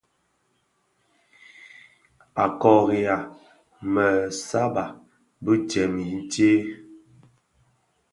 A kôriha më sàbà bi jèm i tsee.